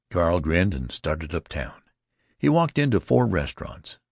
Carl grinned and started up town. He walked into four restaurants.